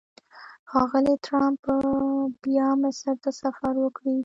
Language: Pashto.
ښاغلی ټرمپ به بیا مصر ته سفر وکړي.